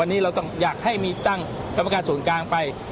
วันนี้เราต้องอยากให้มีตั้งกรรมการศูนย์กลางไป